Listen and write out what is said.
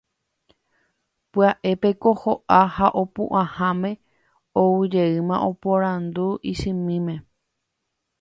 pya'épeko ho'a ha opu'ãháme oujeýma oporandu isymíme.